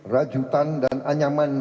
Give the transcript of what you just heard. rajutan dan anyaman